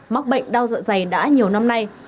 mắc bệnh đau dạ dày đã nhiều năm nay